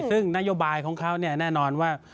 ซึ่งนโยบายของเขาแน่นอนว่า